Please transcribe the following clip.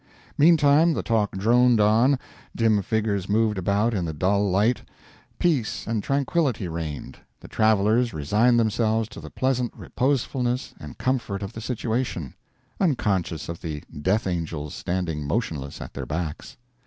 Meantime, the talk droned on, dim figures moved about in the dull light, peace and tranquility reigned, the travelers resigned themselves to the pleasant reposefulness and comfort of the situation, unconscious of the death angels standing motionless at their backs.